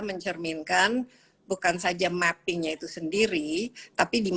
mencerminkan bukan saja mappingnya itu sendiri tapi di